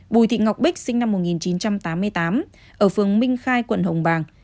bùi thị ngọc bích sinh năm một nghìn chín trăm tám mươi tám ở phường minh khai quận hồng bàng